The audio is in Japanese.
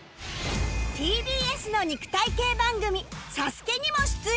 ＴＢＳ の肉体系番組『ＳＡＳＵＫＥ』にも出演